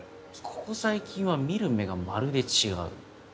ここ最近は見る目がまるで違う。